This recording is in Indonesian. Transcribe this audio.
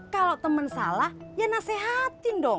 kalau temen salah ya nasehatin dong